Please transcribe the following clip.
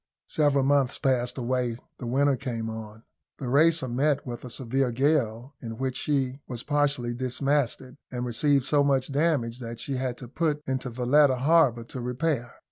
Several months passed away the winter came on. The Racer met with a severe gale, in which she was partially dismasted, and received so much damage that she had to put into Valetta harbour to repair.